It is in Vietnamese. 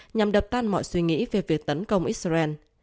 nhằm đập tan mọi suy nghĩ về việc tấn công israel